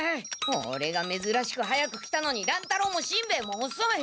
オレがめずらしく早く来たのに乱太郎もしんべヱもおそい！